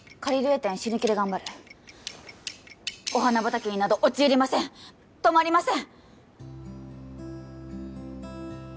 展死ぬ気で頑張るお花畑になど陥りません止まりません！